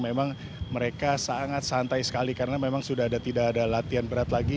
memang mereka sangat santai sekali karena memang sudah tidak ada latihan berat lagi